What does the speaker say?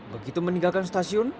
begitu meninggalkan stasiun